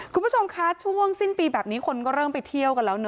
คุณผู้ชมคะช่วงสิ้นปีแบบนี้คนก็เริ่มไปเที่ยวกันแล้วเน